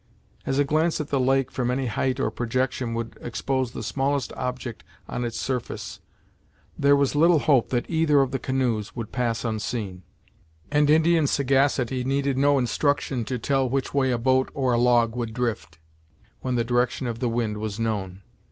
As a glance at the lake from any height or projection would expose the smallest object on its surface, there was little hope that either of the canoes would pass unseen; and Indian sagacity needed no instruction to tell which way a boat or a log would drift, when the direction of the wind was known.